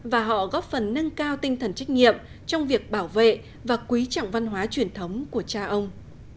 và họ góp phần nâng cao tinh thần trách nhiệm trong việc bảo vệ và quý trọng văn hóa truyền thống của cha ông